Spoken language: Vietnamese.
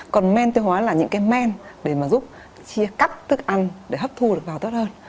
còn men tiêu hóa là những cái men để mà giúp chia cắt tức ăn để hấp thu được vào tốt hơn